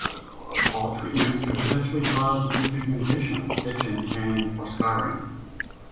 All treatments can potentially cause depigmentation, itching, pain, or scarring.